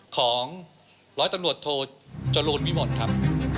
ของร้อยตำรวจโทษจะล้วนไม่หมดครับ